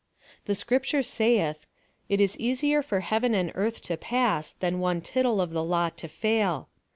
The scripture saith, « It is easier for heaves and earth to pass, than one tittle of the law to fail."